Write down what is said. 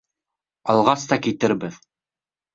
Алғас та китербеҙ.